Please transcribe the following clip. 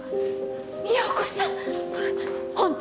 美保子さん